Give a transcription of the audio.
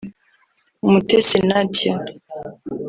Umutesi Nadia